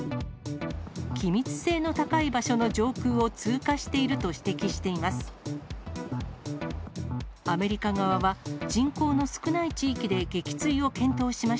機密性の高い場所の上空を通過していると指摘しています。